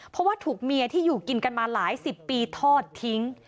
เพราะว่าถูกเมียที่อยู่กินกันมาหลายสิบปีทอดทิ้ง